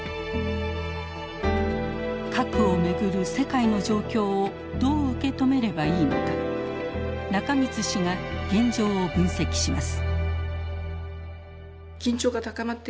核を巡る世界の状況をどう受け止めればいいのか中満氏が現状を分析します。